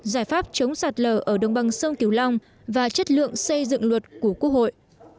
giải pháp chống sạt lở ở đồng bằng sông kiều long và chất lượng xây dựng luật của quốc hội